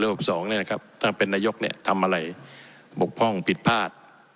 ๖๑แล้ว๖๒นี่นะครับถ้าเป็นนายกเนี่ยทำอะไรปกพร่องผิดพลาด